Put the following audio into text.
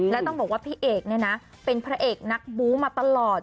และต้องบอกว่าพี่เอกเนี่ยนะเป็นพระเอกนักบู้มาตลอด